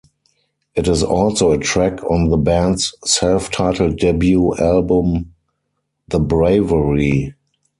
It is also a track on the band's self-titled debut album, "The Bravery".